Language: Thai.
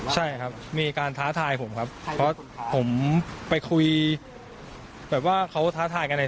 ใช่ครับมีการท้าทายผมครับเพราะผมไปคุยแบบว่าเขาท้าทายกันอะไร